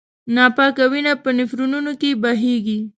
ناپاکه وینه په نفرونونو کې بهېږي.